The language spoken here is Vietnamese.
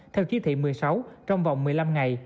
theo chí thị một mươi sáu trong vòng một mươi năm ngày